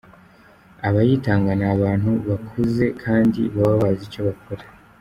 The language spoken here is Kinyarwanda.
Abayitanga ni abantu bakuze kandi baba bazi icyo bakora.